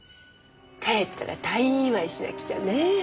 帰ったら退院祝いしなくちゃね。